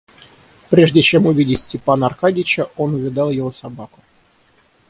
Прежде чем увидать Степана Аркадьича, он увидал его собаку.